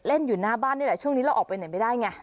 อยู่หน้าบ้านนี่แหละช่วงนี้เราออกไปไหนไม่ได้ไง